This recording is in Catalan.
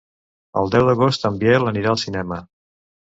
El deu d'agost en Biel anirà al cinema.